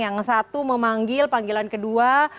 yang satu memanggil panggilan kedua